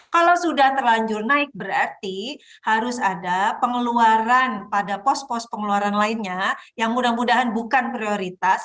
kalau sudah terlanjur naik berarti harus ada pengeluaran pada pos pos pengeluaran lainnya yang mudah mudahan bukan prioritas